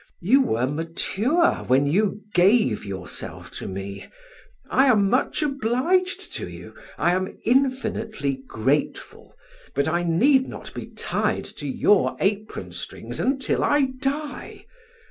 You were mature when you gave yourself to me. I am much obliged to you; I am infinitely grateful, but I need not be tied to your apron strings until I die!